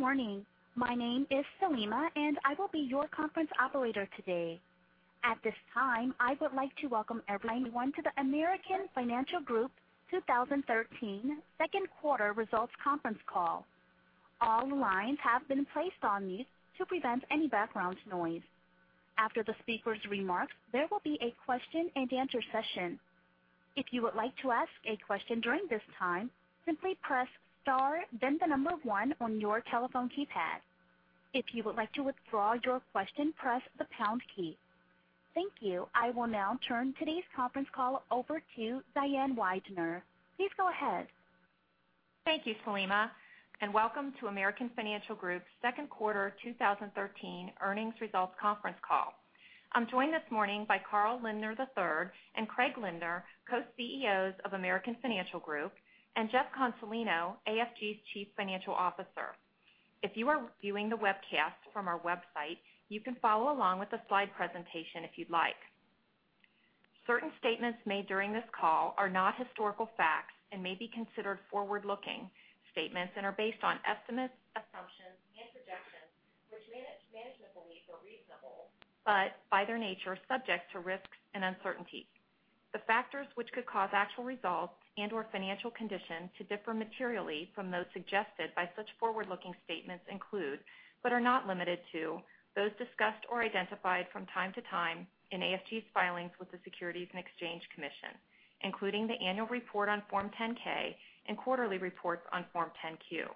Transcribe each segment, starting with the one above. Good morning. My name is Selima, and I will be your conference operator today. At this time, I would like to welcome everyone to the American Financial Group 2013 second quarter results conference call. All lines have been placed on mute to prevent any background noise. After the speaker's remarks, there will be a question and answer session. If you would like to ask a question during this time, simply press star, then the number one on your telephone keypad. If you would like to withdraw your question, press the pound key. Thank you. I will now turn today's conference call over to Diane Weidner. Please go ahead. Thank you, Selima, welcome to American Financial Group's second quarter 2013 earnings results conference call. I'm joined this morning by Carl Lindner III and Craig Lindner, co-CEOs of American Financial Group, Jeff Consolino, AFG's Chief Financial Officer. If you are viewing the webcast from our website, you can follow along with the slide presentation if you'd like. Certain statements made during this call are not historical facts and may be considered forward-looking statements and are based on estimates, assumptions and projections, which management believes are reasonable, by their nature, are subject to risks and uncertainties. The factors which could cause actual results and/or financial conditions to differ materially from those suggested by such forward-looking statements include, are not limited to, those discussed or identified from time to time in AFG's filings with the Securities and Exchange Commission, including the annual report on Form 10-K and quarterly reports on Form 10-Q.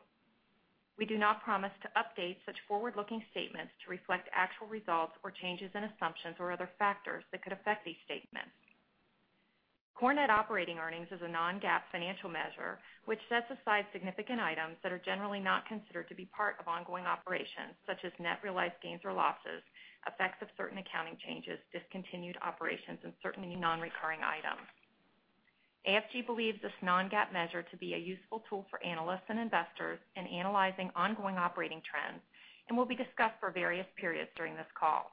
We do not promise to update such forward-looking statements to reflect actual results or changes in assumptions or other factors that could affect these statements. Core net operating earnings is a non-GAAP financial measure, which sets aside significant items that are generally not considered to be part of ongoing operations, such as net realized gains or losses, effects of certain accounting changes, discontinued operations and certainly non-recurring items. AFG believes this non-GAAP measure to be a useful tool for analysts and investors in analyzing ongoing operating trends and will be discussed for various periods during this call.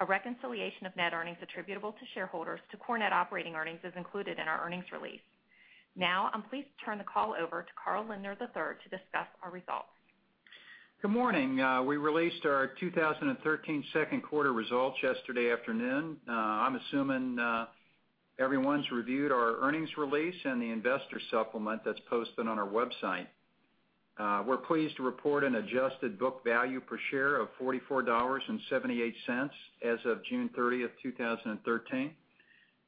A reconciliation of net earnings attributable to shareholders to core net operating earnings is included in our earnings release. I'm pleased to turn the call over to Carl Lindner III to discuss our results. Good morning. We released our 2013 second quarter results yesterday afternoon. I'm assuming everyone's reviewed our earnings release and the investor supplement that's posted on our website. We're pleased to report an adjusted book value per share of $44.78 as of June 30th, 2013.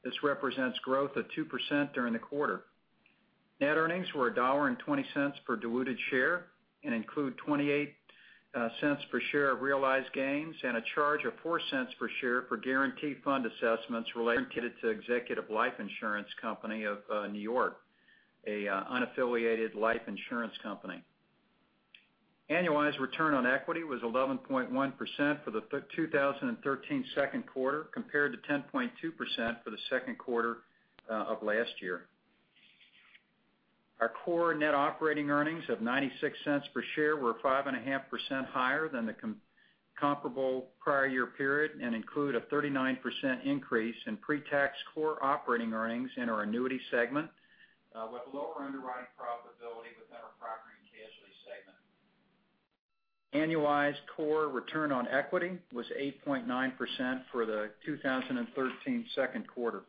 This represents growth of 2% during the quarter. Net earnings were $1.20 per diluted share and include $0.28 per share of realized gains and a charge of $0.04 per share for guaranteed fund assessments related to Executive Life Insurance Company of New York, an unaffiliated life insurance company. Annualized return on equity was 11.1% for the 2013 second quarter, compared to 10.2% for the second quarter of last year. Our core net operating earnings of $0.96 per share were 5.5% higher than the comparable prior year period and include a 39% increase in pre-tax core operating earnings in our annuity segment, with lower underwriting profitability within our property and casualty segment. Annualized core return on equity was 8.9% for the 2013 second quarter.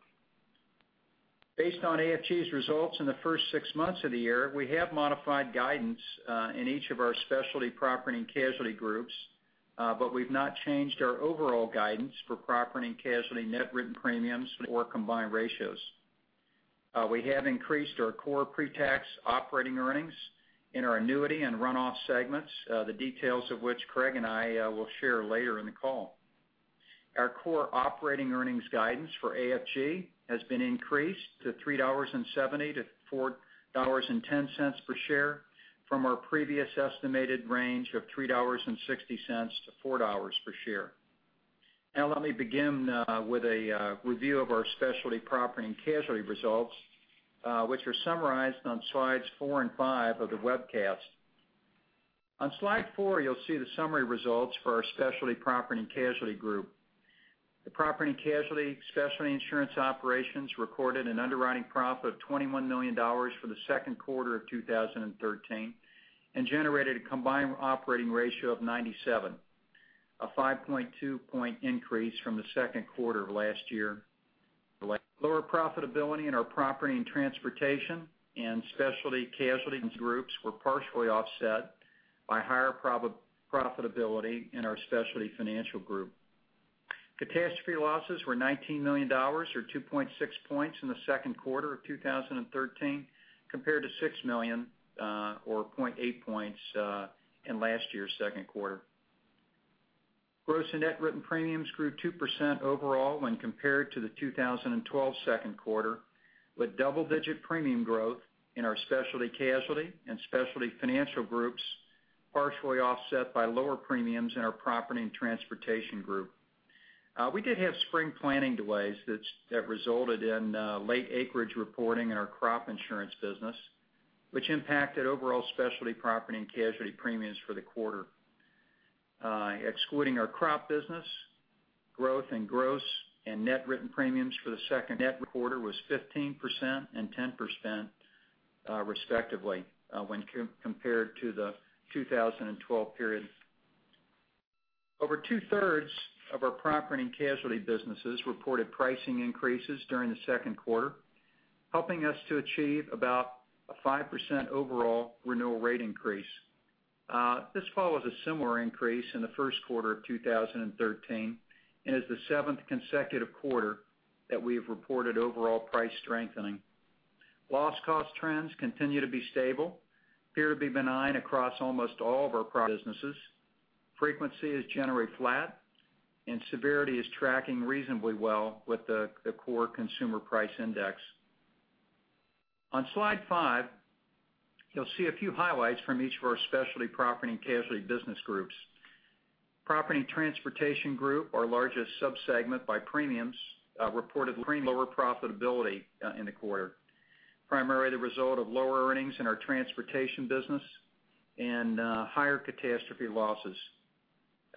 Based on AFG's results in the first six months of the year, we have modified guidance in each of our specialty property and casualty groups, but we've not changed our overall guidance for property and casualty net written premiums or combined ratios. We have increased our core pre-tax operating earnings in our annuity and runoff segments, the details of which Craig and I will share later in the call. Our core operating earnings guidance for AFG has been increased to $3.70 to $4.10 per share from our previous estimated range of $3.60 to $4 per share. Let me begin with a review of our specialty property and casualty results, which are summarized on slides four and five of the webcast. On slide four, you'll see the summary results for our specialty property and casualty group. The property and casualty specialty insurance operations recorded an underwriting profit of $21 million for the second quarter of 2013, and generated a combined operating ratio of 97, a 5.2 point increase from the second quarter of last year. Lower profitability in our property and transportation and specialty casualty groups were partially offset by higher profitability in our specialty financial group. Catastrophe losses were $19 million, or 2.6 points in the second quarter of 2013, compared to $6 million, or 0.8 points in last year's second quarter. Gross and net written premiums grew 2% overall when compared to the 2012 second quarter, with double digit premium growth in our specialty casualty and specialty financial groups, partially offset by lower premiums in our property and transportation group. We did have spring planting delays that resulted in late acreage reporting in our crop insurance business, which impacted overall specialty property and casualty premiums for the quarter. Excluding our crop business, growth in gross and net written premiums for the second net quarter was 15% and 10%, respectively, when compared to the 2012 period. Over two-thirds of our property and casualty businesses reported pricing increases during the second quarter, helping us to achieve about a 5% overall renewal rate increase. This follows a similar increase in the first quarter of 2013 and is the seventh consecutive quarter that we have reported overall price strengthening. Loss cost trends continue to be stable, appear to be benign across almost all of our businesses. Frequency is generally flat, and severity is tracking reasonably well with the core consumer price index. On slide five, you'll see a few highlights from each of our specialty property and casualty business groups. Property and Transportation Group, our largest sub-segment by premiums, reported lower profitability in the quarter, primarily the result of lower earnings in our transportation business and higher catastrophe losses.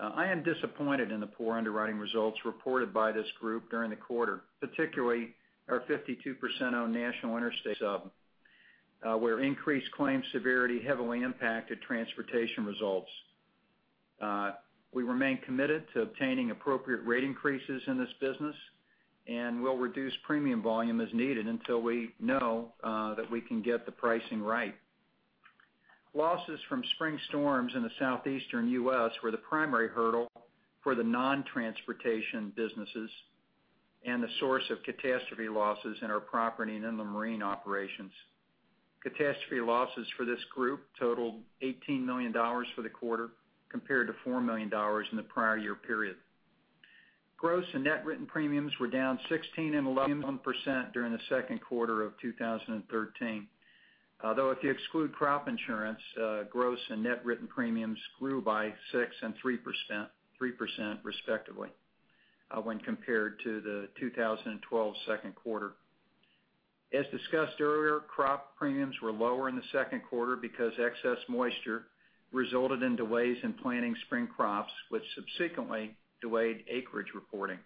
I am disappointed in the poor underwriting results reported by this group during the quarter, particularly our 52% owned National Interstate sub, where increased claim severity heavily impacted transportation results. We remain committed to obtaining appropriate rate increases in this business, we'll reduce premium volume as needed until we know that we can get the pricing right. Losses from spring storms in the Southeastern U.S. were the primary hurdle for the non-transportation businesses and the source of catastrophe losses in our property and inland marine operations. Catastrophe losses for this group totaled $18 million for the quarter, compared to $4 million in the prior year period. Gross and net written premiums were down 16% and 11% during the second quarter of 2013. Though if you exclude crop insurance, gross and net written premiums grew by 6% and 3%, respectively, when compared to the 2012 second quarter. As discussed earlier, crop premiums were lower in the second quarter because excess moisture resulted in delays in planting spring crops, which subsequently delayed acreage reporting.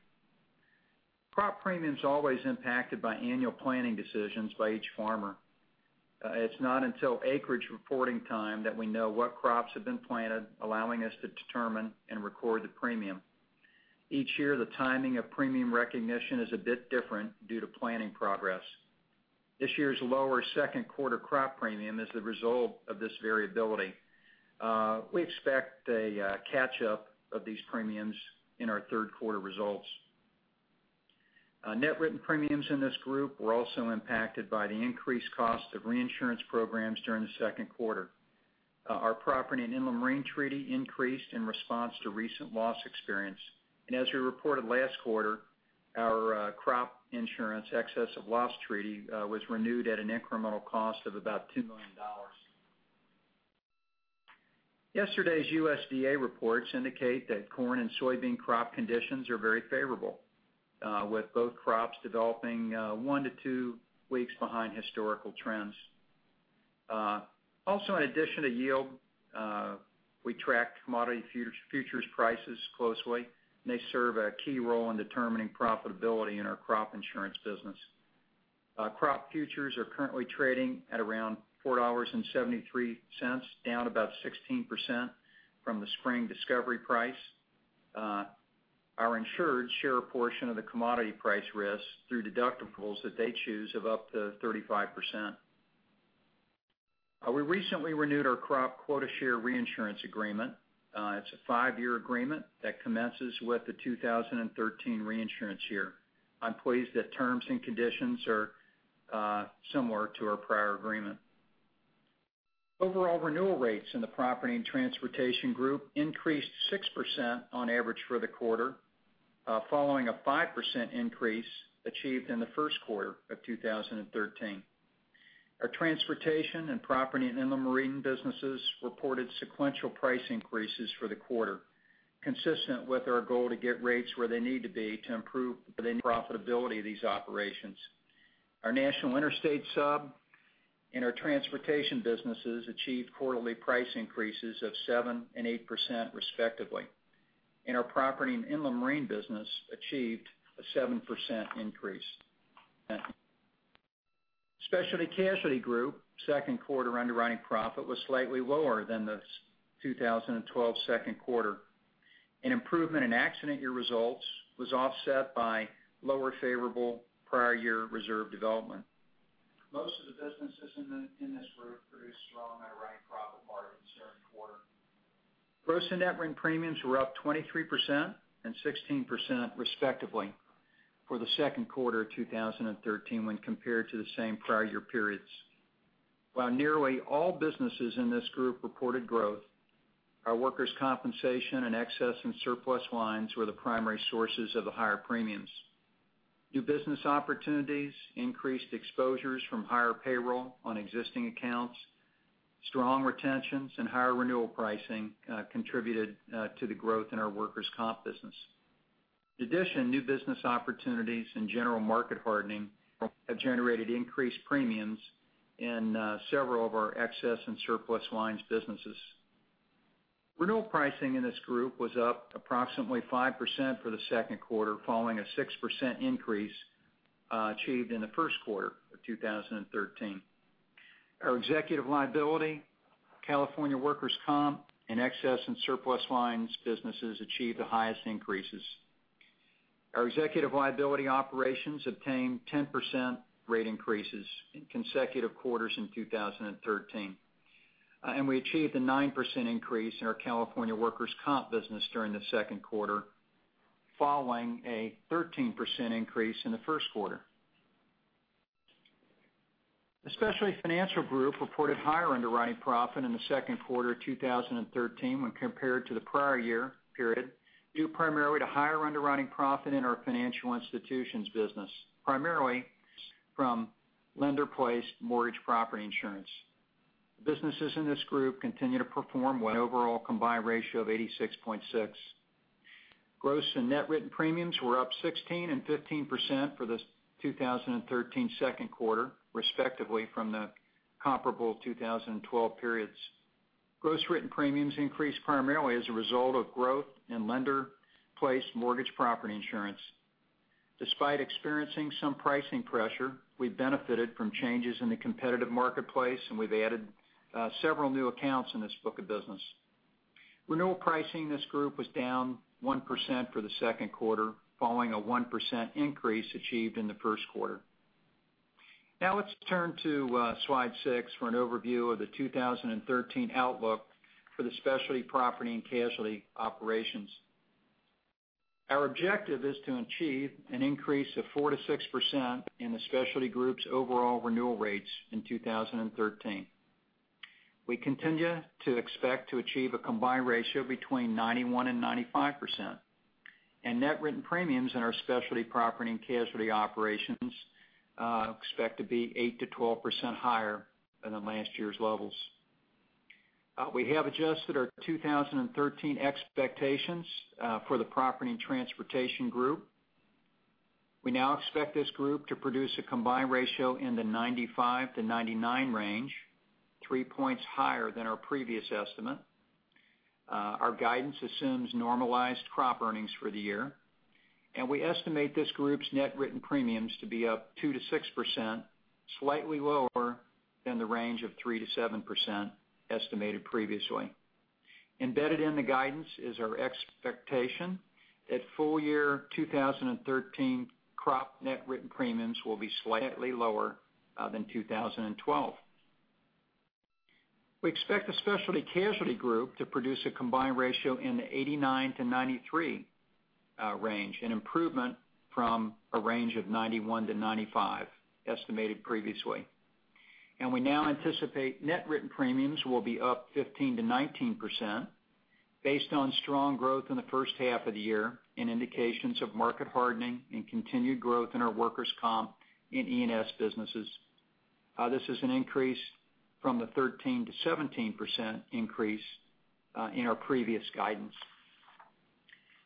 Crop premium is always impacted by annual planning decisions by each farmer. It's not until acreage reporting time that we know what crops have been planted, allowing us to determine and record the premium. Each year, the timing of premium recognition is a bit different due to planning progress. This year's lower second quarter crop premium is the result of this variability. We expect a catch-up of these premiums in our third quarter results. Net written premiums in this group were also impacted by the increased cost of reinsurance programs during the second quarter. Our property and inland marine treaty increased in response to recent loss experience. As we reported last quarter, our crop insurance excess of loss treaty was renewed at an incremental cost of about $2 million. Yesterday's USDA reports indicate that corn and soybean crop conditions are very favorable, with both crops developing one to two weeks behind historical trends. In addition to yield, we track commodity futures prices closely, and they serve a key role in determining profitability in our crop insurance business. Crop futures are currently trading at around $4.73, down about 16% from the spring discovery price. Our insureds share a portion of the commodity price risk through deductibles that they choose of up to 35%. We recently renewed our crop quota share reinsurance agreement. It's a five-year agreement that commences with the 2013 reinsurance year. I'm pleased that terms and conditions are similar to our prior agreement. Overall renewal rates in the Property and Transportation Group increased 6% on average for the quarter, following a 5% increase achieved in the first quarter of 2013. Our transportation and property and inland marine businesses reported sequential price increases for the quarter, consistent with our goal to get rates where they need to be to improve the profitability of these operations. Our National Interstate sub and our transportation businesses achieved quarterly price increases of 7% and 8%, respectively. Our property and inland marine business achieved a 7% increase. Specialty Casualty group second quarter underwriting profit was slightly lower than the 2012 second quarter. An improvement in accident year results was offset by lower favorable prior year reserve development. Most of the businesses in this group produced strong underwriting profit margins during the quarter. Gross and net written premiums were up 23% and 16%, respectively, for the second quarter of 2013 when compared to the same prior year periods. While nearly all businesses in this group reported growth, our workers' compensation and excess and surplus lines were the primary sources of the higher premiums. New business opportunities increased exposures from higher payroll on existing accounts. Strong retentions and higher renewal pricing contributed to the growth in our workers' comp business. In addition, new business opportunities and general market hardening have generated increased premiums in several of our excess and surplus lines businesses. Renewal pricing in this group was up approximately 5% for the second quarter, following a 6% increase achieved in the first quarter of 2013. Our executive liability, California workers' comp, and excess and surplus lines businesses achieved the highest increases. Our executive liability operations obtained 10% rate increases in consecutive quarters in 2013. We achieved a 9% increase in our California workers' comp business during the second quarter, following a 13% increase in the first quarter. The specialty financial group reported higher underwriting profit in the second quarter of 2013 when compared to the prior year period, due primarily to higher underwriting profit in our financial institutions business, primarily from lender-placed mortgage property insurance. Businesses in this group continue to perform with an overall combined ratio of 86.6. Gross and net written premiums were up 16% and 15% for the 2013 second quarter, respectively, from the comparable 2012 periods. Gross written premiums increased primarily as a result of growth in lender-placed mortgage property insurance. Despite experiencing some pricing pressure, we benefited from changes in the competitive marketplace, and we've added several new accounts in this book of business. Renewal pricing in this group was down 1% for the second quarter, following a 1% increase achieved in the first quarter. Now let's turn to slide six for an overview of the 2013 outlook for the specialty property and casualty operations. Our objective is to achieve an increase of 4%-6% in the specialty group's overall renewal rates in 2013. We continue to expect to achieve a combined ratio between 91% and 95%. Net written premiums in our specialty property and casualty operations are expected to be 8%-12% higher than last year's levels. We have adjusted our 2013 expectations for the property and transportation group. We now expect this group to produce a combined ratio in the 95%-99% range, three points higher than our previous estimate. Our guidance assumes normalized crop earnings for the year. We estimate this group's net written premiums to be up 2%-6%, slightly lower than the range of 3%-7% estimated previously. Embedded in the guidance is our expectation that full year 2013 crop net written premiums will be slightly lower than 2012. We expect the specialty casualty group to produce a combined ratio in the 89-93 range, an improvement from a range of 91-95 estimated previously. We now anticipate net written premiums will be up 15%-19%, based on strong growth in the first half of the year and indications of market hardening and continued growth in our workers' comp and E&S businesses. This is an increase from the 13%-17% increase in our previous guidance.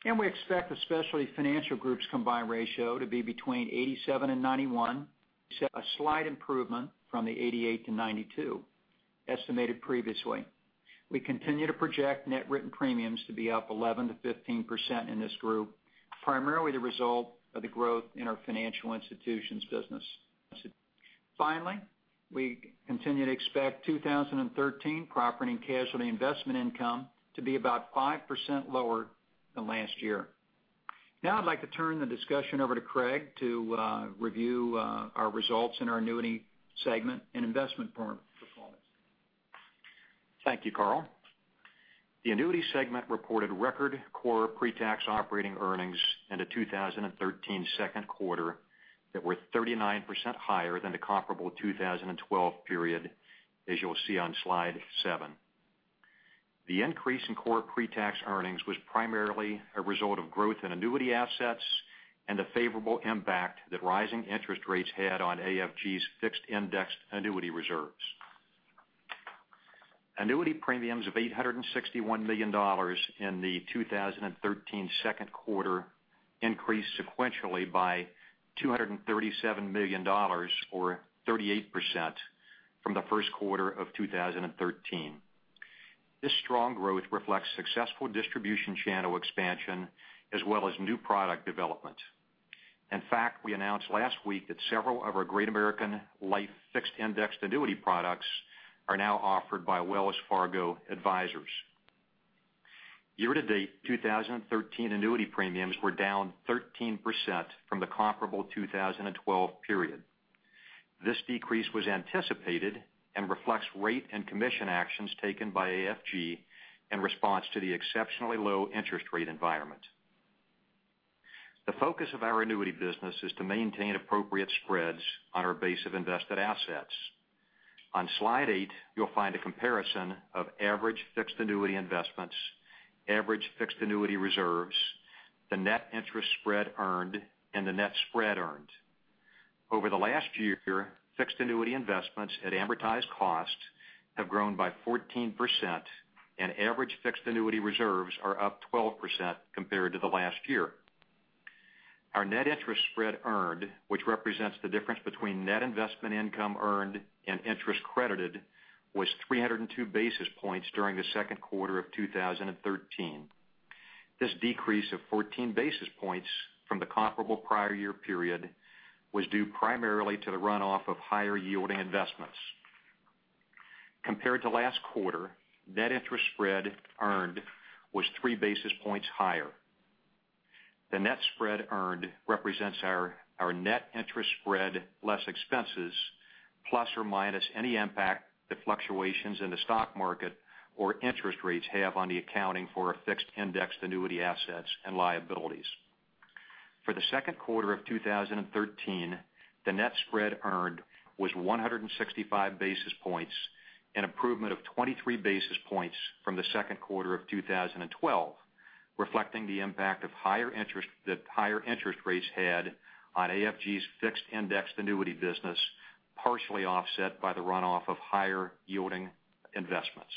We expect the specialty financial group's combined ratio to be between 87 and 91, a slight improvement from the 88-92 estimated previously. We continue to project net written premiums to be up 11%-15% in this group, primarily the result of the growth in our financial institutions business. Finally, we continue to expect 2013 property and casualty investment income to be about 5% lower than last year. Now I'd like to turn the discussion over to Craig to review our results in our annuity segment and investment performance. Thank you, Carl. The annuity segment reported record core pre-tax operating earnings in the 2013 second quarter that were 39% higher than the comparable 2012 period, as you'll see on slide seven. The increase in core pre-tax earnings was primarily a result of growth in annuity assets and the favorable impact that rising interest rates had on AFG's fixed indexed annuity reserves. Annuity premiums of $861 million in the 2013 second quarter increased sequentially by $237 million, or 38%, from the first quarter of 2013. This strong growth reflects successful distribution channel expansion as well as new product development. In fact, we announced last week that several of our Great American Life fixed indexed annuity products are now offered by Wells Fargo Advisors. Year to date, 2013 annuity premiums were down 13% from the comparable 2012 period. This decrease was anticipated and reflects rate and commission actions taken by AFG in response to the exceptionally low interest rate environment. The focus of our annuity business is to maintain appropriate spreads on our base of invested assets. On slide eight, you'll find a comparison of average fixed annuity investments, average fixed annuity reserves, the net interest spread earned, and the net spread earned. Over the last year, fixed annuity investments at amortized cost have grown by 14%, and average fixed annuity reserves are up 12% compared to the last year. Our net interest spread earned, which represents the difference between net investment income earned and interest credited, was 302 basis points during the second quarter of 2013. This decrease of 14 basis points from the comparable prior year period was due primarily to the runoff of higher yielding investments. Compared to last quarter, net interest spread earned was three basis points higher. The net spread earned represents our net interest spread less expenses, plus or minus any impact the fluctuations in the stock market or interest rates have on the accounting for our fixed indexed annuity assets and liabilities. For the second quarter of 2013, the net spread earned was 165 basis points, an improvement of 23 basis points from the second quarter of 2012, reflecting the impact that higher interest rates had on AFG's fixed indexed annuity business, partially offset by the runoff of higher yielding investments.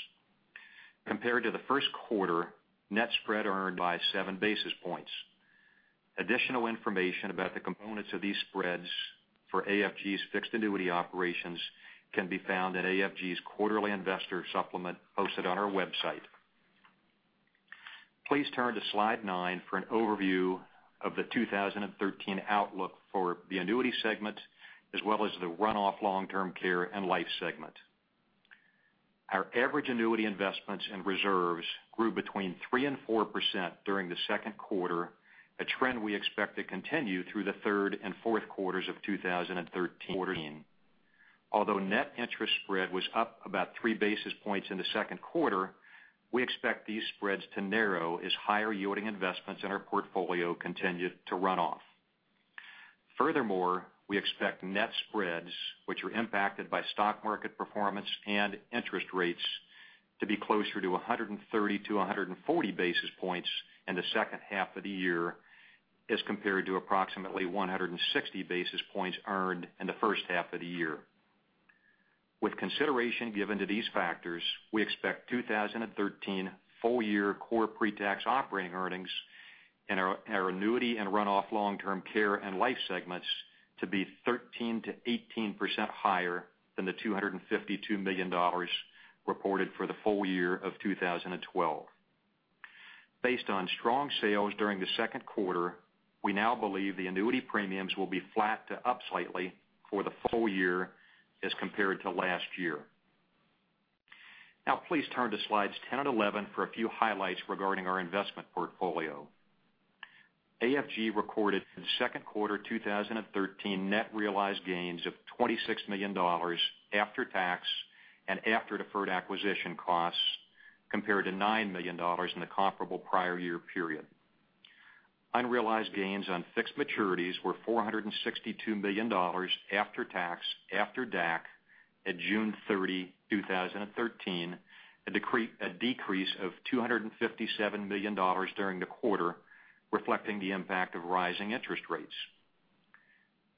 Compared to the first quarter, net spread earned by seven basis points. Additional information about the components of these spreads for AFG's fixed annuity operations can be found at AFG's quarterly investor supplement posted on our website. Please turn to slide nine for an overview of the 2013 outlook for the annuity segment, as well as the runoff long-term care and life segment. Our average annuity investments and reserves grew between 3% and 4% during the second quarter, a trend we expect to continue through the third and fourth quarters of 2013. Although net interest spread was up about three basis points in the second quarter, we expect these spreads to narrow as higher yielding investments in our portfolio continue to run off. Furthermore, we expect net spreads, which are impacted by stock market performance and interest rates, to be closer to 130 to 140 basis points in the second half of the year as compared to approximately 160 basis points earned in the first half of the year. With consideration given to these factors, we expect 2013 full year core pre-tax operating earnings in our annuity and runoff long-term care and life segments to be 13%-18% higher than the $252 million reported for the full year of 2012. Based on strong sales during the second quarter, we now believe the annuity premiums will be flat to up slightly for the full year as compared to last year. Please turn to slides 10 and 11 for a few highlights regarding our investment portfolio. AFG recorded in second quarter 2013 net realized gains of $26 million after tax and after deferred acquisition costs, compared to $9 million in the comparable prior year period. Unrealized gains on fixed maturities were $462 million after tax, after DAC at June 30, 2013, a decrease of $257 million during the quarter, reflecting the impact of rising interest rates.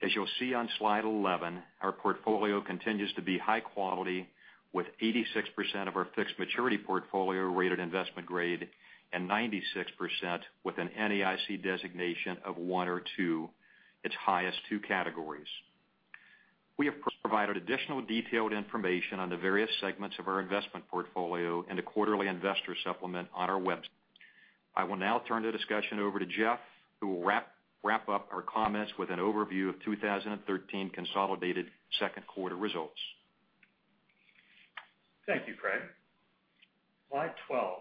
As you'll see on slide 11, our portfolio continues to be high quality, with 86% of our fixed maturity portfolio rated investment-grade and 96% with an NAIC designation of 1 or 2, its highest 2 categories. We have provided additional detailed information on the various segments of our investment portfolio in the quarterly investor supplement on our website. I will now turn the discussion over to Jeff, who will wrap up our comments with an overview of 2013 consolidated second quarter results. Thank you, Craig. Slide 12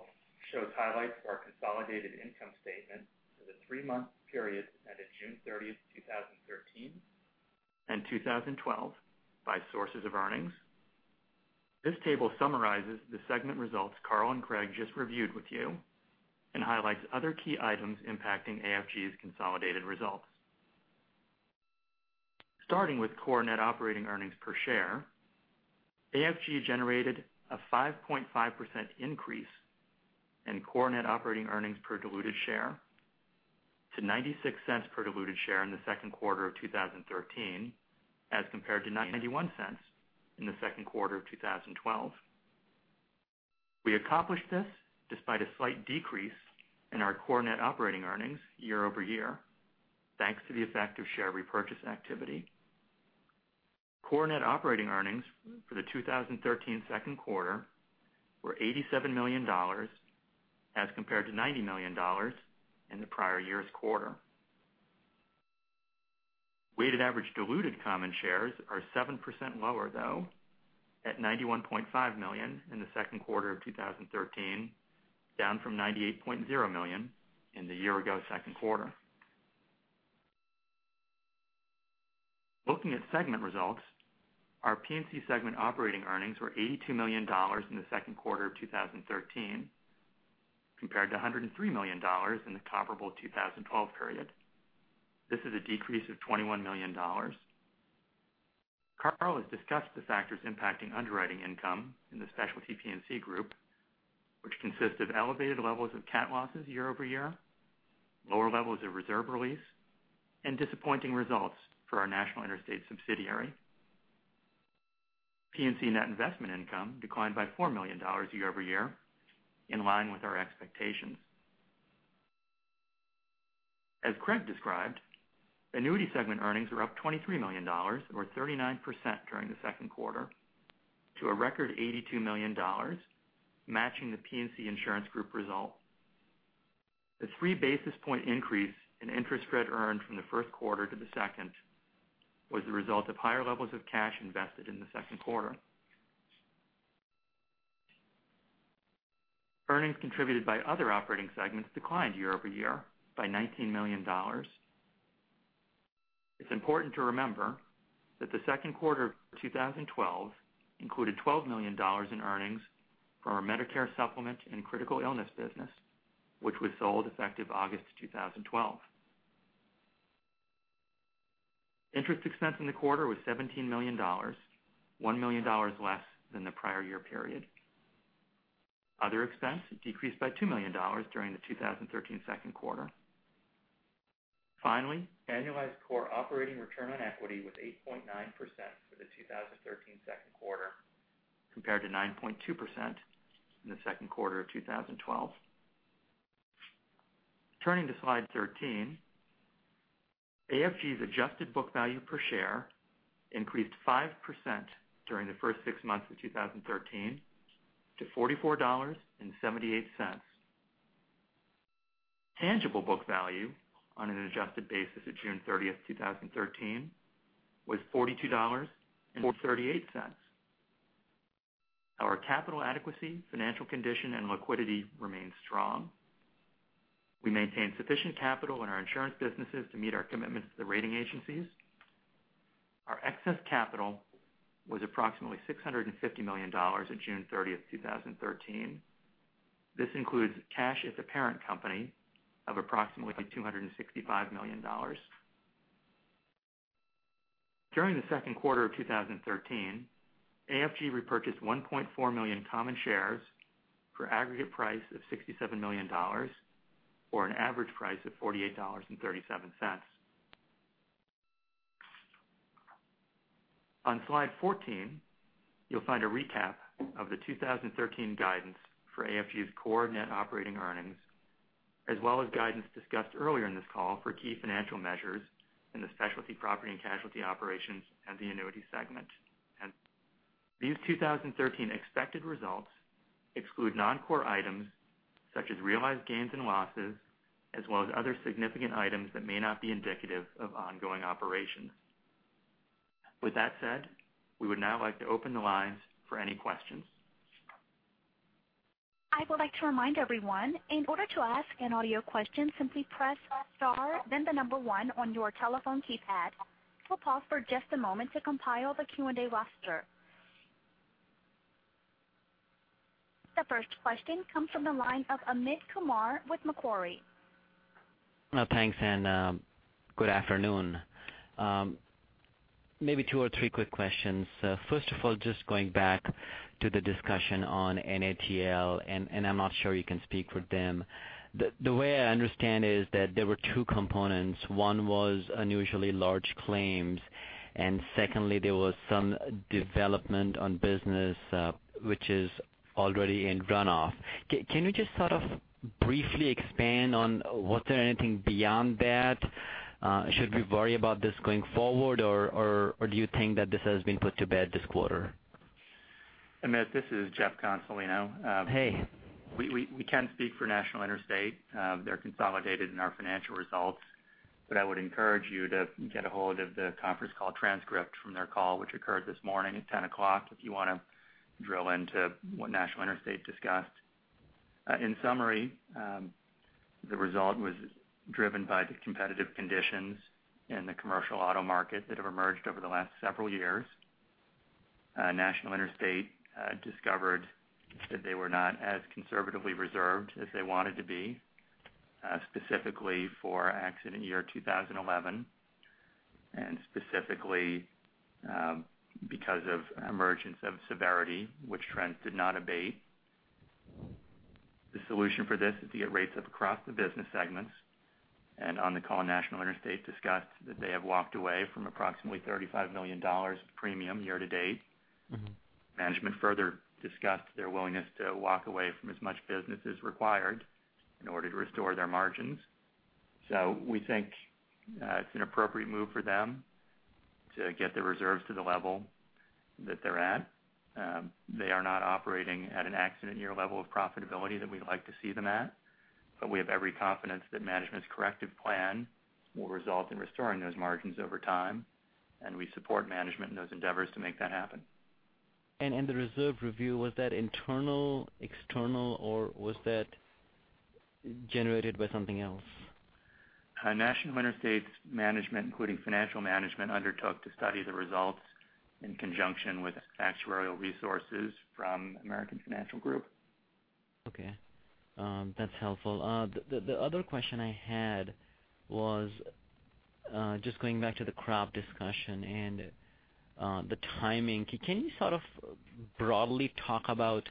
shows highlights of our consolidated income statement for the three-month period that ended June 30th, 2013 and 2012 by sources of earnings. This table summarizes the segment results Carl and Craig just reviewed with you and highlights other key items impacting AFG's consolidated results. Starting with core net operating earnings per share, AFG generated a 5.5% increase in core net operating earnings per diluted share to $0.96 per diluted share in the second quarter of 2013 as compared to $0.91 in the second quarter of 2012. We accomplished this despite a slight decrease in our core net operating earnings year-over-year, thanks to the effect of share repurchase activity. Core net operating earnings for the 2013 second quarter were $87 million as compared to $90 million in the prior year's quarter. Weighted average diluted common shares are 7% lower, though, at 91.5 million in the second quarter of 2013, down from 98.0 million in the year ago second quarter. Looking at segment results, our P&C segment operating earnings were $82 million in the second quarter of 2013, compared to $103 million in the comparable 2012 period. This is a decrease of $21 million. Carl has discussed the factors impacting underwriting income in the specialty P&C group, which consists of elevated levels of cat losses year-over-year, lower levels of reserve release, and disappointing results for our National Interstate subsidiary. P&C net investment income declined by $4 million year-over-year, in line with our expectations. As Craig described, annuity segment earnings were up $23 million or 39% during the second quarter to a record $82 million, matching the P&C insurance group result. The three basis point increase in interest spread earned from the first quarter to the second was the result of higher levels of cash invested in the second quarter. Earnings contributed by other operating segments declined year-over-year by $19 million. It's important to remember that the second quarter of 2012 included $12 million in earnings from our Medicare supplement and critical illness business, which was sold effective August 2012. Interest expense in the quarter was $17 million, $1 million less than the prior year period. Other expense decreased by $2 million during the 2013 second quarter. Finally, annualized core operating return on equity was 8.9% for the 2013 second quarter compared to 9.2% in the second quarter of 2012. Turning to slide 13, AFG's adjusted book value per share increased 5% during the first six months of 2013 to $44.78. Tangible book value on an adjusted basis at June 30th, 2013, was $42.38. Our capital adequacy, financial condition, and liquidity remain strong. We maintain sufficient capital in our insurance businesses to meet our commitments to the rating agencies. Our excess capital was approximately $650 million on June 30th, 2013. This includes cash at the parent company of approximately $265 million. During the second quarter of 2013, AFG repurchased 1.4 million common shares for aggregate price of $67 million, or an average price of $48.37. On slide 14, you'll find a recap of the 2013 guidance for AFG's core net operating earnings, as well as guidance discussed earlier in this call for key financial measures in the specialty property and casualty operations and the annuity segment. These 2013 expected results exclude non-core items such as realized gains and losses, as well as other significant items that may not be indicative of ongoing operations. With that said, we would now like to open the lines for any questions. I would like to remind everyone, in order to ask an audio question, simply press star then the number one on your telephone keypad. We'll pause for just a moment to compile the Q&A roster. The first question comes from the line of Amit Kumar with Macquarie. Thanks. Good afternoon. Maybe two or three quick questions. First of all, just going back to the discussion on NATL. I'm not sure you can speak for them. The way I understand it is that there were two components. One was unusually large claims. Secondly, there was some development on business which is already in runoff. Can you just sort of briefly expand on, was there anything beyond that? Should we worry about this going forward, or do you think that this has been put to bed this quarter? Amit, this is Jeff Consolino. Hey. We can speak for National Interstate. They're consolidated in our financial results. I would encourage you to get a hold of the conference call transcript from their call, which occurred this morning at 10:00 if you want to drill into what National Interstate discussed. In summary, the result was driven by the competitive conditions in the commercial auto market that have emerged over the last several years. National Interstate discovered that they were not as conservatively reserved as they wanted to be, specifically for accident year 2011, and specifically because of emergence of severity, which trends did not abate. The solution for this is to get rates up across the business segments. On the call, National Interstate discussed that they have walked away from approximately $35 million of premium year-to-date. Management further discussed their willingness to walk away from as much business as required in order to restore their margins. We think it's an appropriate move for them to get their reserves to the level that they're at. We have every confidence that management's corrective plan will result in restoring those margins over time, and we support management in those endeavors to make that happen. In the reserve review, was that internal, external, or was that generated by something else? National Interstate's management, including financial management, undertook to study the results in conjunction with actuarial resources from American Financial Group Okay. That's helpful. The other question I had was just going back to the crop discussion and the timing. Can you sort of broadly talk about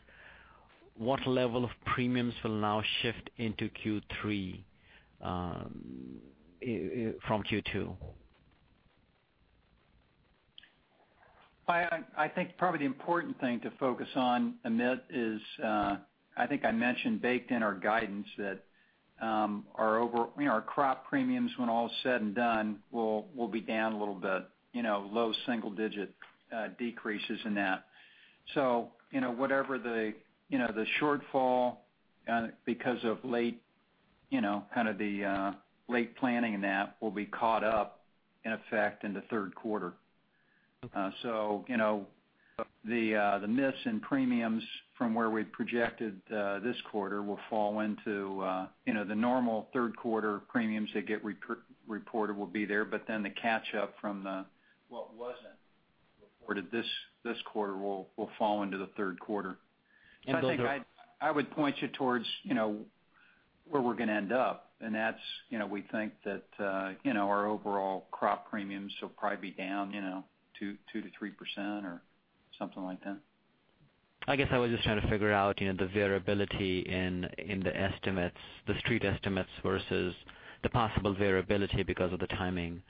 what level of premiums will now shift into Q3 from Q2? I think probably the important thing to focus on, Amit, is I think I mentioned baked in our guidance that our crop premiums, when all is said and done, will be down a little bit, low single-digit decreases in that. Whatever the shortfall because of kind of the late planning and that will be caught up in effect in the third quarter. Okay. The miss in premiums from where we projected this quarter will fall into the normal third quarter premiums that get reported will be there, but then the catch up from what wasn't reported this quarter will fall into the third quarter. Build up- I think I would point you towards where we're going to end up, and that's, we think that our overall crop premiums will probably be down 2% to 3% or something like that. I was just trying to figure out the variability in the estimates, the Street estimates versus the possible variability because of the timing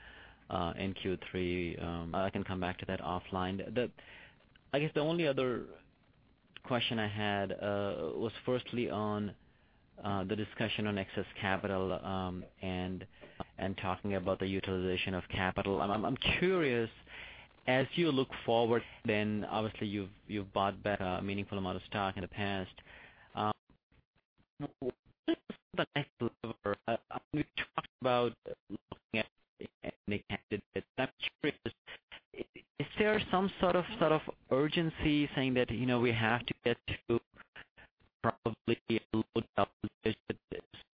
in Q3. I can come back to that offline. The only other question I had was firstly on the discussion on excess capital and talking about the utilization of capital. I'm curious, as you look forward, obviously you've bought back a meaningful amount of stock in the past. What is the next lever? You've talked about looking at any candidate, but I'm curious, is there some sort of urgency saying that, we have to get to probably a little double-digit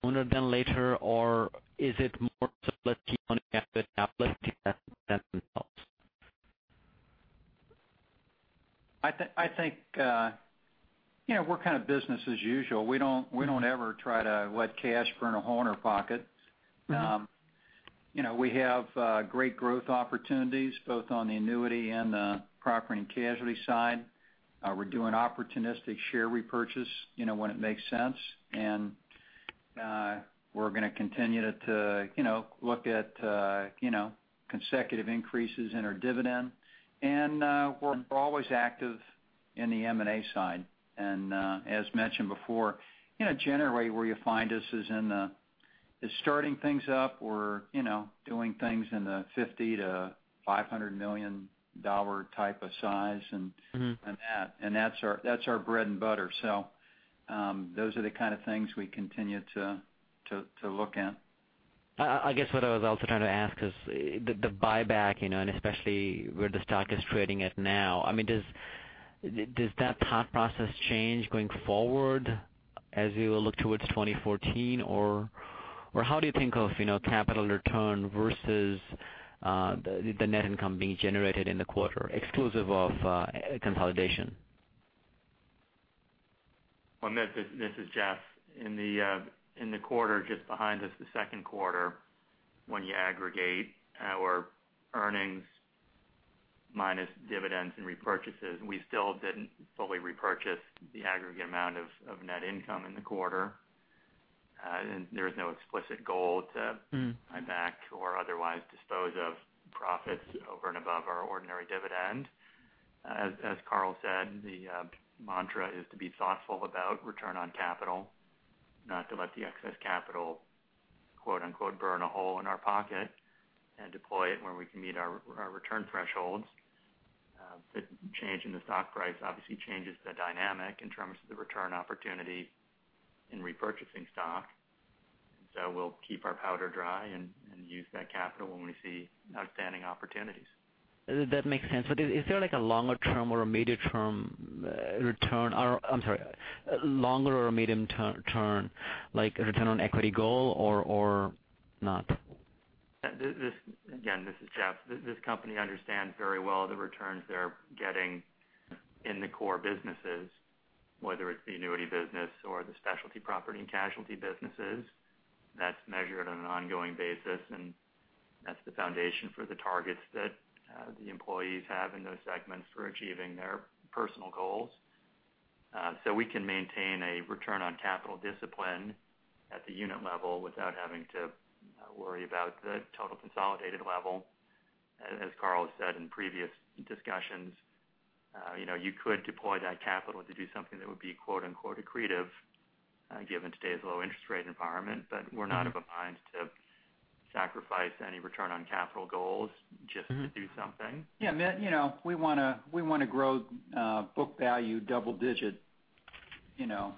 sooner than later? Or is it more just let's keep on it as it happens, let's invest in ourselves? I think we're kind of business as usual. We don't ever try to let cash burn a hole in our pocket. We have great growth opportunities both on the annuity and the property and casualty side. We're doing opportunistic share repurchase when it makes sense. We're going to continue to look at consecutive increases in our dividend, and we're always active in the M&A side. As mentioned before, generally where you find us is in the starting things up or doing things in the $50 million to $500 million type of size and that. That's our bread and butter. Those are the kind of things we continue to look at. I guess what I was also trying to ask is the buyback, especially where the stock is trading at now, I mean, does that thought process change going forward as we look towards 2014? How do you think of capital return versus the net income being generated in the quarter exclusive of consolidation? Amit, this is Jeff. In the quarter just behind us, the second quarter, when you aggregate our earnings minus dividends and repurchases, and we still didn't fully repurchase the aggregate amount of net income in the quarter. There is no explicit goal to- buy back or otherwise dispose of profits over and above our ordinary dividend. As Carl said, the mantra is to be thoughtful about return on capital, not to let the excess capital, quote unquote, "burn a hole in our pocket" and deploy it where we can meet our return thresholds. The change in the stock price obviously changes the dynamic in terms of the return opportunity in repurchasing stock. We'll keep our powder dry and use that capital when we see outstanding opportunities. That makes sense. Is there like a longer-term or a medium-term return or, I'm sorry, longer or medium-term turn, like a return on equity goal or not? Again, this is Jeff. This company understands very well the returns they're getting in the core businesses, whether it's the annuity business or the specialty property and casualty businesses. That's measured on an ongoing basis, and that's the foundation for the targets that the employees have in those segments for achieving their personal goals. We can maintain a return on capital discipline at the unit level without having to worry about the total consolidated level. As Carl said in previous discussions, you could deploy that capital to do something that would be, quote unquote, "accretive," given today's low interest rate environment, but we're not of a mind to sacrifice any return on capital goals just to do something. Yeah, Amit, we want to grow book value double digit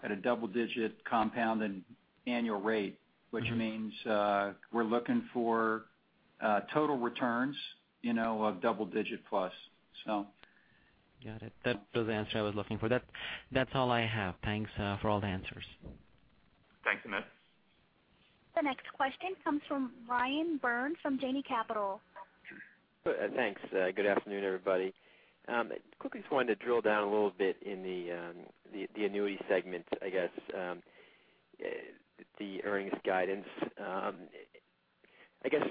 at a double-digit compound annual rate, which means we're looking for total returns of double digit plus. Got it. That was the answer I was looking for. That's all I have. Thanks for all the answers. Thanks, Amit. The next question comes from Ryan Burns from Janney Capital. Thanks. Good afternoon, everybody. Quickly just wanted to drill down a little bit in the annuity segment, I guess, the earnings guidance. I guess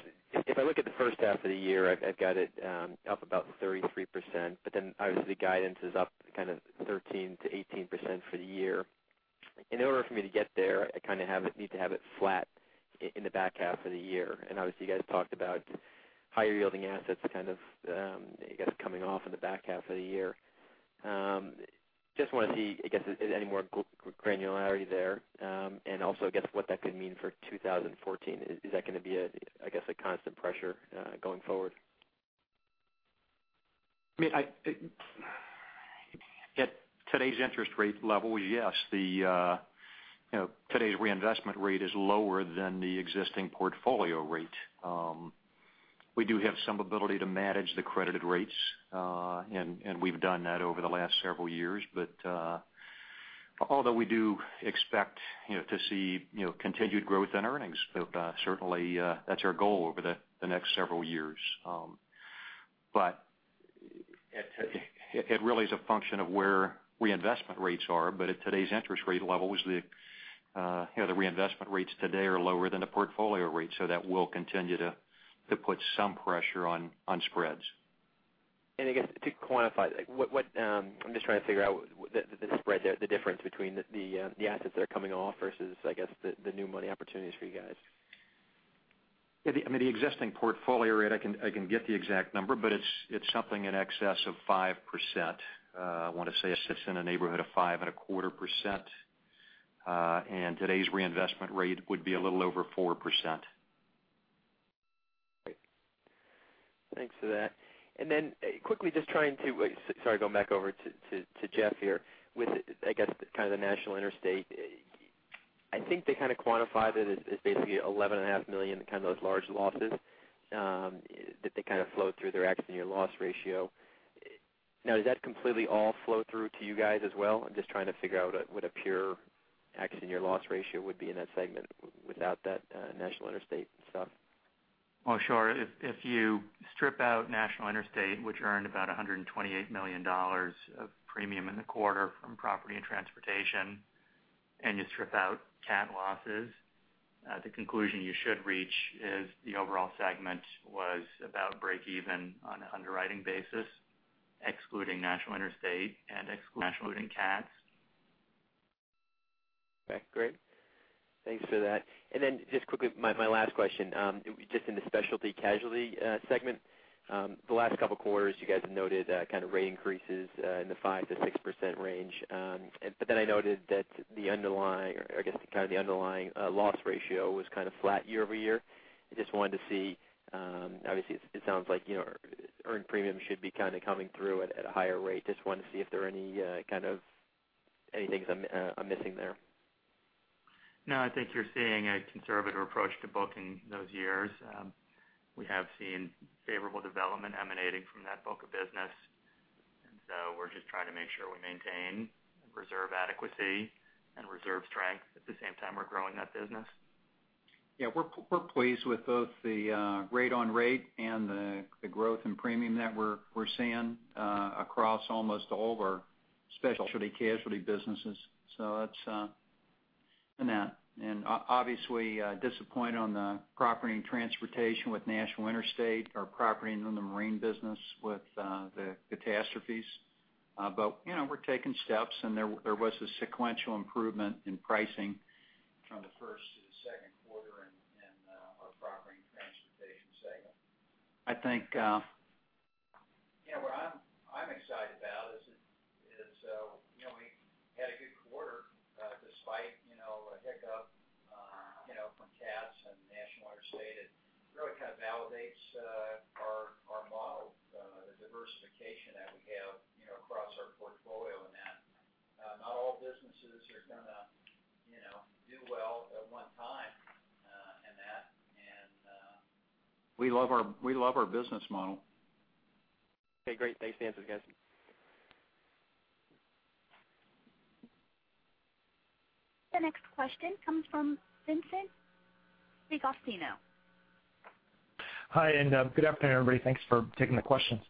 if I look at the first half of the year, I've got it up about 33%, but then obviously guidance is up 13% to 18% for the year. In order for me to get there, I need to have it flat in the back half of the year. Obviously you guys talked about higher-yielding assets coming off in the back half of the year. Just want to see, I guess, any more granularity there. Also, I guess what that could mean for 2014. Is that going to be a constant pressure going forward? I mean, at today's interest rate level, yes. Today's reinvestment rate is lower than the existing portfolio rate. We do have some ability to manage the credited rates, and we've done that over the last several years, but although we do expect to see continued growth in earnings, certainly that's our goal over the next several years. It really is a function of where reinvestment rates are, but at today's interest rate levels, the reinvestment rates today are lower than the portfolio rate. That will continue to put some pressure on spreads. I guess to quantify, I'm just trying to figure out the spread there, the difference between the assets that are coming off versus, I guess, the new money opportunities for you guys. Yeah. I mean, the existing portfolio rate, I can get the exact number, but it's something in excess of 5%. I want to say it sits in the neighborhood of 5.25%, and today's reinvestment rate would be a little over 4%. Great. Thanks for that. Quickly, just trying to, sorry, going back over to Jeff here. With, I guess, kind of the National Interstate, I think they kind of quantified it as basically $11.5 million, kind of those large losses, that they kind of flowed through their accident year loss ratio. Does that completely all flow through to you guys as well? I'm just trying to figure what a pure accident year loss ratio would be in that segment without that National Interstate stuff. Well, sure. If you strip out National Interstate, which earned about $128 million of premium in the quarter from property and transportation, and you strip out cat losses, the conclusion you should reach is the overall segment was about breakeven on an underwriting basis, excluding National Interstate and excluding cats. Okay, great. Thanks for that. Just quickly, my last question. Just in the specialty casualty segment, the last couple of quarters, you guys have noted kind of rate increases in the 5%-6% range. I noted that the underlying loss ratio was kind of flat year-over-year. I just wanted to see, obviously it sounds like earned premium should be kind of coming through at a higher rate. Just wanted to see if there are any things I'm missing there. I think you're seeing a conservative approach to booking those years. We have seen favorable development emanating from that book of business, we're just trying to make sure we maintain reserve adequacy and reserve strength at the same time we're growing that business. We're pleased with both the rate on rate and the growth in premium that we're seeing across almost all of our specialty casualty businesses. That's in that. Obviously disappointed on the property and transportation with National Interstate, our property and inland marine business with the catastrophes. We're taking steps, there was a sequential improvement in pricing from the first to the second quarter in our property and transportation segment. I think what I'm excited about is we had a good quarter despite a hiccup from cats and National Interstate. It really kind of validates our model, the diversification that we have across our portfolio in that not all businesses are going to do well at one time in that, we love our business model. Okay, great. Thanks for the answers, guys. The next question comes from Vincent D'Agostino. Hi, and good afternoon, everybody. Thanks for taking the questions.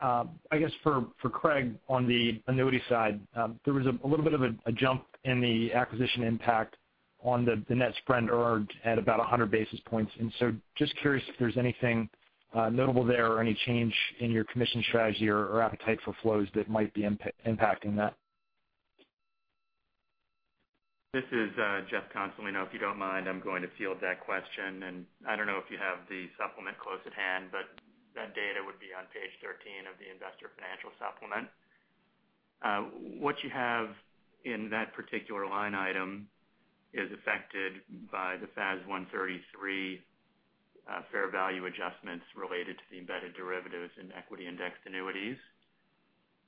I guess for Craig, on the annuity side, there was a little bit of a jump in the acquisition impact on the net spread earned at about 100 basis points. Just curious if there's anything notable there or any change in your commission strategy or appetite for flows that might be impacting that. This is Jeff Consolino. If you don't mind, I'm going to field that question. I don't know if you have the supplement close at hand, but that data would be on page 13 of the investor financial supplement. What you have in that particular line item is affected by the FAS 133 fair value adjustments related to the embedded derivatives in equity-indexed annuities.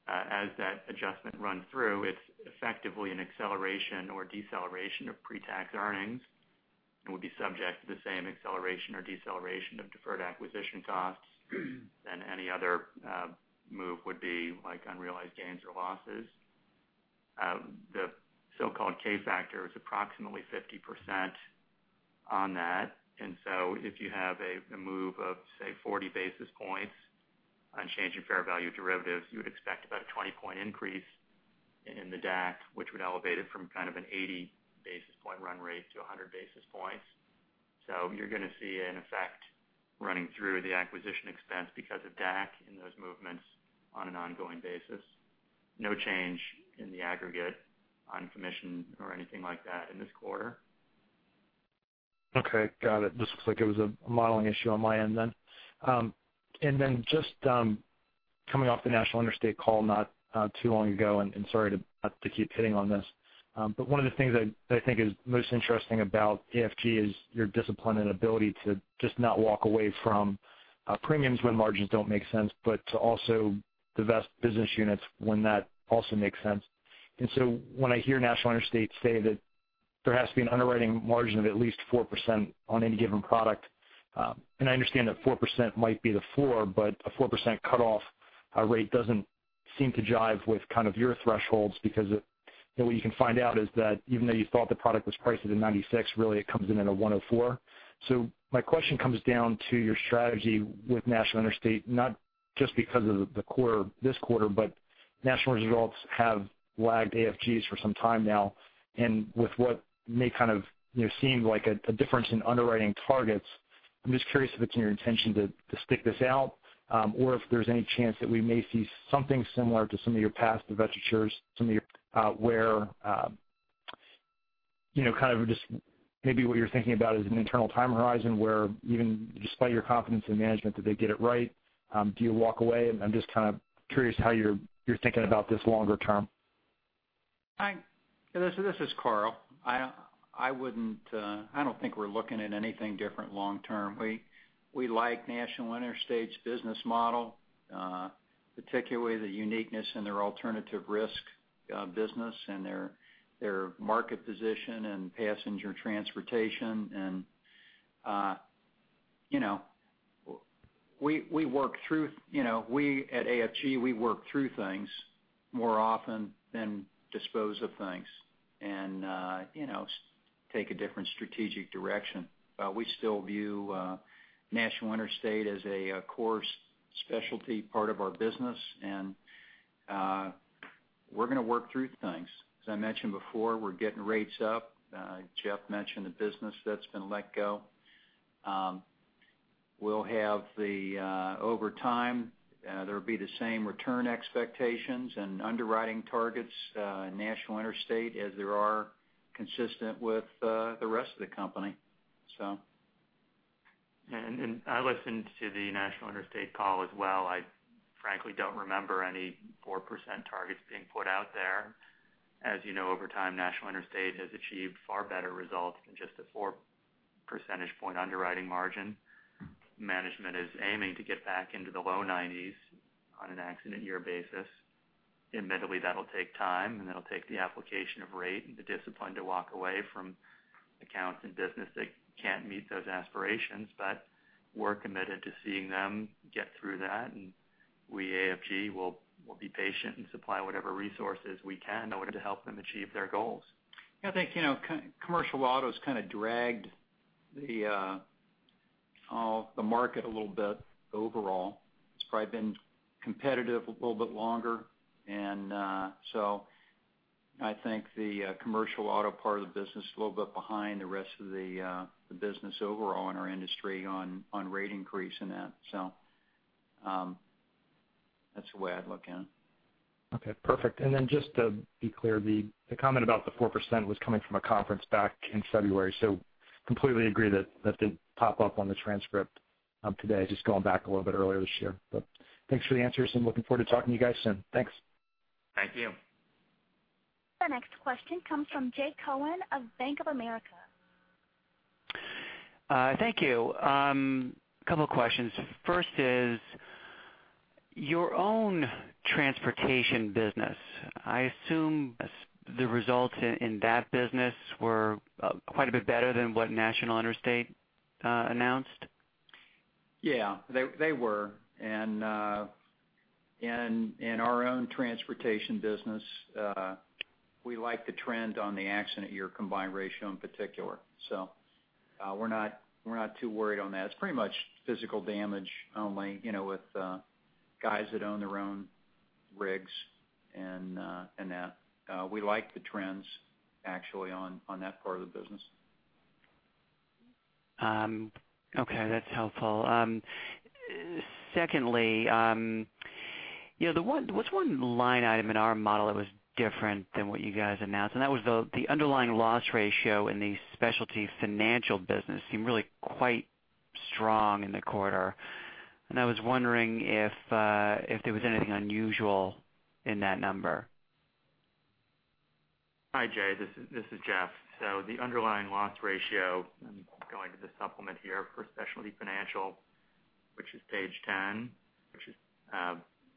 As that adjustment runs through, it's effectively an acceleration or deceleration of pre-tax earnings and would be subject to the same acceleration or deceleration of deferred acquisition costs than any other move would be, like unrealized gains or losses. The so-called K-factor is approximately 50% on that. If you have a move of, say, 40 basis points on change in fair value derivatives, you would expect about a 20-point increase in the DAC, which would elevate it from kind of an 80 basis point run rate to 100 basis points. You're going to see an effect running through the acquisition expense because of DAC and those movements on an ongoing basis. No change in the aggregate on commission or anything like that in this quarter. Okay. Got it. Just looks like it was a modeling issue on my end then. Just coming off the National Interstate call not too long ago, and sorry to have to keep hitting on this. One of the things I think is most interesting about AFG is your discipline and ability to just not walk away from premiums when margins don't make sense, but to also divest business units when that also makes sense. When I hear National Interstate say that there has to be an underwriting margin of at least 4% on any given product, and I understand that 4% might be the floor, but a 4% cutoff rate doesn't seem to jive with your thresholds because what you can find out is that even though you thought the product was priced as a 96, really it comes in at a 104. My question comes down to your strategy with National Interstate, not just because of this quarter, but national results have lagged AFG's for some time now, and with what may kind of seem like a difference in underwriting targets, I'm just curious if it's in your intention to stick this out, or if there's any chance that we may see something similar to some of your past divestitures, where kind of just maybe what you're thinking about is an internal time horizon where even despite your confidence in management that they get it right, do you walk away? I'm just kind of curious how you're thinking about this longer term. This is Carl. I don't think we're looking at anything different long term. We like National Interstate's business model, particularly the uniqueness in their alternative risk business and their market position in passenger transportation and we at AFG, we work through things more often than dispose of things and take a different strategic direction. We still view National Interstate as a core specialty part of our business, and we're going to work through things. As I mentioned before, we're getting rates up. Jeff mentioned the business that's been let go. Over time, there'll be the same return expectations and underwriting targets in National Interstate as there are consistent with the rest of the company. I listened to the National Interstate call as well. I frankly don't remember any 4% targets being put out there. As you know, over time, National Interstate has achieved far better results than just a four percentage point underwriting margin. Management is aiming to get back into the low 90s on an accident year basis. Admittedly, that'll take time, and it'll take the application of rate and the discipline to walk away from accounts and business that can't meet those aspirations. We're committed to seeing them get through that, and we, AFG, will be patient and supply whatever resources we can in order to help them achieve their goals. I think commercial auto's kind of dragged the market a little bit overall. It's probably been competitive a little bit longer. I think the commercial auto part of the business is a little bit behind the rest of the business overall in our industry on rate increase in that. That's the way I'd look at it. Okay, perfect. Just to be clear, the comment about the 4% was coming from a conference back in February. Completely agree that that didn't pop up on the transcript today, just going back a little bit earlier this year. Thanks for the answers, and looking forward to talking to you guys soon. Thanks. Thank you. The next question comes from Jay Cohen of Bank of America. Thank you. Couple questions. First is your own transportation business. I assume the results in that business were quite a bit better than what National Interstate announced? Yeah, they were. In our own transportation business, we like the trend on the accident year combined ratio in particular. We're not too worried on that. It's pretty much physical damage only with guys that own their own rigs and that. We like the trends actually on that part of the business. Okay, that's helpful. Secondly, there was one line item in our model that was different than what you guys announced, that was the underlying loss ratio in the specialty financial business seemed really quite strong in the quarter. I was wondering if there was anything unusual in that number. Hi, Jay. This is Jeff. The underlying loss ratio, I'm going to the supplement here for specialty financial, which is page 10.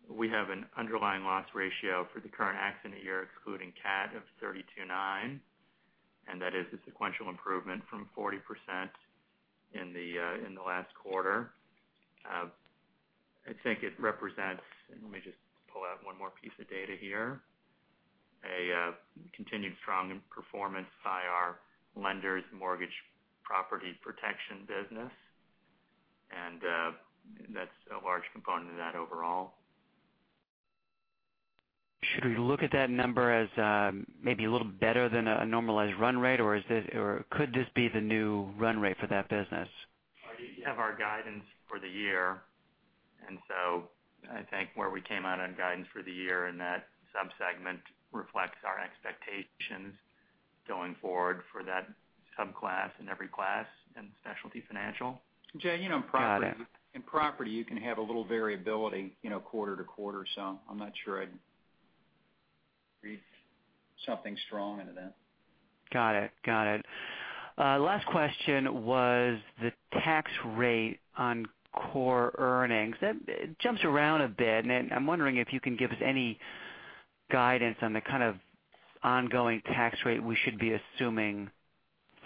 We have an underlying loss ratio for the current accident year excluding CAT of 32.9%, that is a sequential improvement from 40% in the last quarter. I think it represents, let me just pull out one more piece of data here, a continued strong performance by our lender-placed mortgage property insurance business. That's a large component of that overall. Should we look at that number as maybe a little better than a normalized run rate, or could this be the new run rate for that business? You have our guidance for the year. I think where we came out on guidance for the year in that sub-segment reflects our expectations going forward for that subclass and every class in specialty financial. Got it. Jay, in property, you can have a little variability quarter to quarter. I'm not sure I'd read something strong into that. Got it. Last question was the tax rate on core earnings. That jumps around a bit, I'm wondering if you can give us any guidance on the kind of ongoing tax rate we should be assuming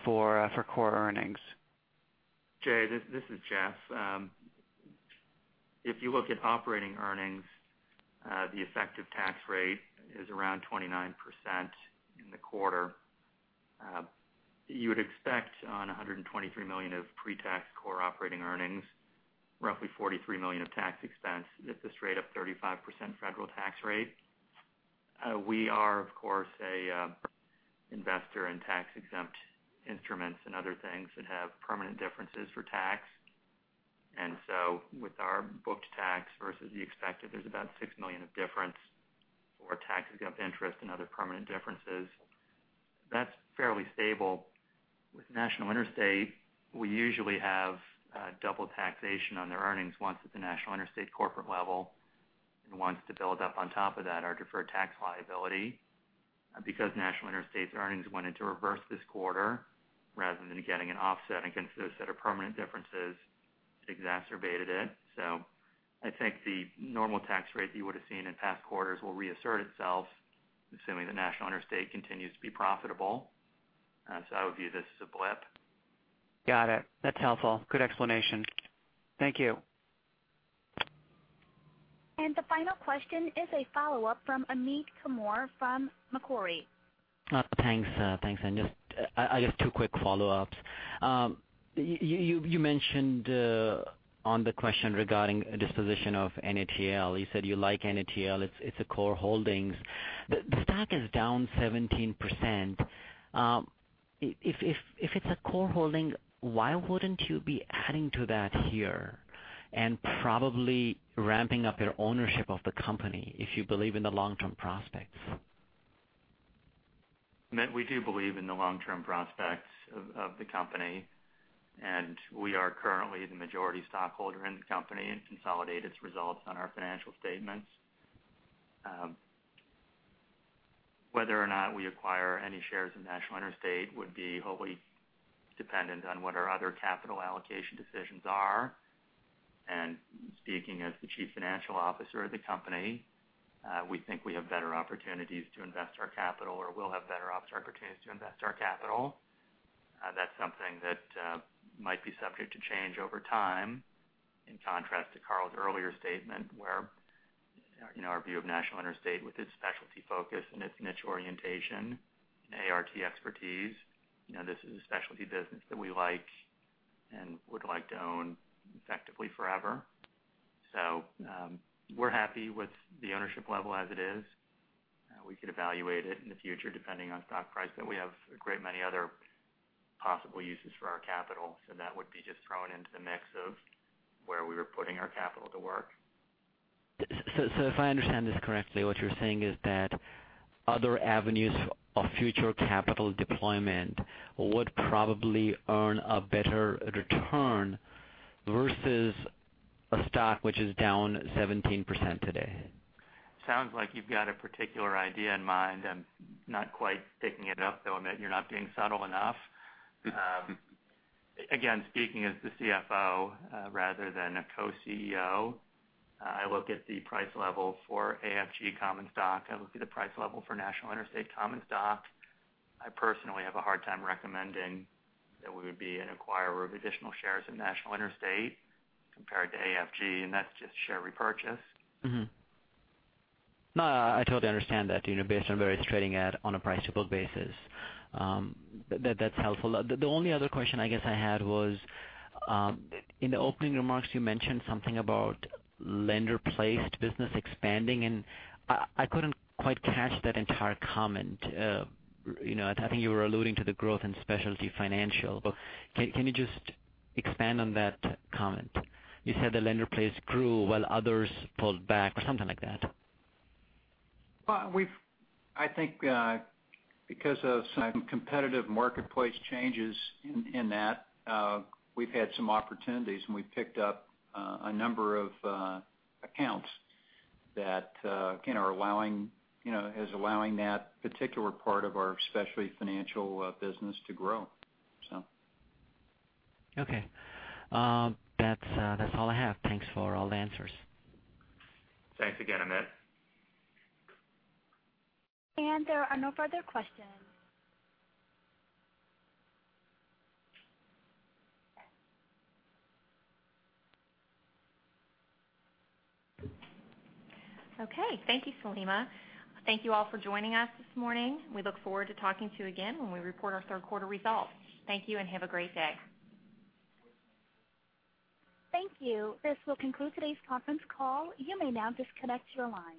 for core earnings. Jay, this is Jeff. If you look at operating earnings, the effective tax rate is around 29% in the quarter. You would expect on $123 million of pre-tax core operating earnings, roughly $43 million of tax expense at this rate of 35% federal tax rate. We are, of course, an investor in tax-exempt instruments and other things that have permanent differences for tax. With our booked tax versus the expected, there's about $6 million of difference for tax-exempt interest and other permanent differences. That's fairly stable. With National Interstate, we usually have double taxation on the earnings, once at the National Interstate corporate level, and once to build up on top of that, our deferred tax liability. Because National Interstate's earnings went into reverse this quarter rather than getting an offset against those set of permanent differences, exacerbated it. I think the normal tax rate you would've seen in past quarters will reassert itself, assuming the National Interstate continues to be profitable. I would view this as a blip. Got it. That's helpful. Good explanation. Thank you. The final question is a follow-up from Amit Kumar from Macquarie. Thanks. I guess two quick follow-ups. You mentioned on the question regarding disposition of NATL, you said you like NATL, it's a core holding. The stock is down 17%. If it's a core holding, why wouldn't you be adding to that here and probably ramping up your ownership of the company if you believe in the long-term prospects? Amit, we do believe in the long-term prospects of the company. We are currently the majority stockholder in the company and consolidate its results on our financial statements. Whether or not we acquire any shares in National Interstate would be wholly dependent on what our other capital allocation decisions are. Speaking as the Chief Financial Officer of the company, we think we have better opportunities to invest our capital or will have better opportunities to invest our capital. That's something that might be subject to change over time, in contrast to Carl's earlier statement where our view of National Interstate with its specialty focus and its niche orientation and ART expertise. This is a specialty business that we like and would like to own effectively forever. We're happy with the ownership level as it is. We could evaluate it in the future depending on stock price. We have a great many other possible uses for our capital. That would be just thrown into the mix of where we were putting our capital to work. If I understand this correctly, what you're saying is that other avenues of future capital deployment would probably earn a better return versus a stock which is down 17% today. Sounds like you've got a particular idea in mind. I'm not quite picking it up, though, Amit. You're not being subtle enough. Again, speaking as the CFO rather than a Co-CEO, I look at the price level for AFG common stock. I look at the price level for National Interstate common stock. I personally have a hard time recommending that we would be an acquirer of additional shares in National Interstate compared to AFG, and that's just share repurchase. I totally understand that, based on where it's trading at on a price-to-book basis. That's helpful. The only other question I guess I had was, in the opening remarks, you mentioned something about lender-placed business expanding, and I couldn't quite catch that entire comment. I think you were alluding to the growth in specialty financial. Can you just expand on that comment? You said the lender-placed grew while others pulled back or something like that. I think because of some competitive marketplace changes in that, we've had some opportunities, and we've picked up a number of accounts that is allowing that particular part of our specialty financial business to grow. Okay. That's all I have. Thanks for all the answers. Thanks again, Amit. There are no further questions. Okay. Thank you, Salima. Thank you all for joining us this morning. We look forward to talking to you again when we report our third quarter results. Thank you and have a great day. Thank you. This will conclude today's conference call. You may now disconnect your line.